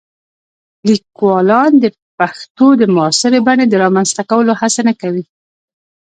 لیکوالان د پښتو د معاصرې بڼې د رامنځته کولو هڅه نه کوي.